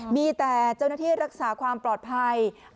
มีแต่เจ้าหน้าที่รักษาความปลอดภัย